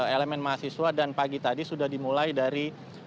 elemen mahasiswa dan pagi tadi sudah dimulai dari